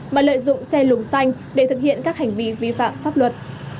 mà lợi dụng xe lùng xanh để thực hiện các hành vi vi phạm pháp luật